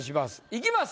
いきます。